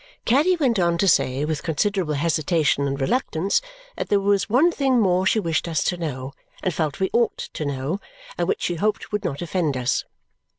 Caddy went on to say with considerable hesitation and reluctance that there was one thing more she wished us to know, and felt we ought to know, and which she hoped would not offend us.